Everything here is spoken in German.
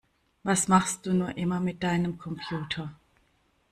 Was machst du nur immer mit deinem Computer?